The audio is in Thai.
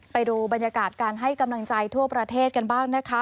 ไปดูบรรยากาศการให้กำลังใจทั่วประเทศกันบ้างนะคะ